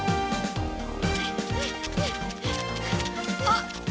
あっ！